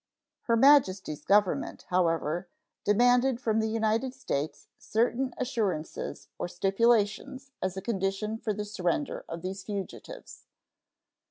Her Majesty's Government, however, demanded from the United States certain assurances or stipulations as a condition for the surrender of these fugitives.